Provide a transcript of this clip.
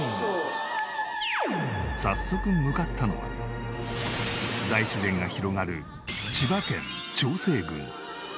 早速向かったのは大自然が広がる千葉県長生郡。